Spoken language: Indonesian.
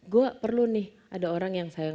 gue perlu nih ada orang yang sayang